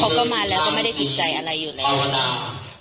เขาก็มาแล้วก็ไม่ได้ติดใจอะไรอยู่แล้ว